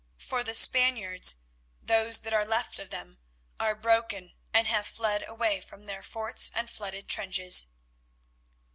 For the Spaniards, those that are left of them, are broken and have fled away from their forts and flooded trenches.